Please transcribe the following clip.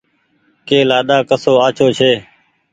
ڪه لآڏآ ڪسو آڇو ڇي